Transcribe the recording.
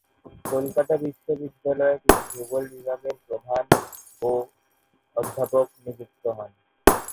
কলকাতা বিশ্ববিদ্যালয়ে তিনি ভূগোল বিভাগের প্রধান ও অধ্যাপক নিযুক্ত হন।